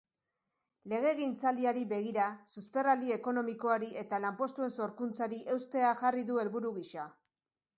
Legegintzaldiari begira, susperraldi ekonomikoari eta lanpostuen sorkuntzari eustea jarri du helburu gisa.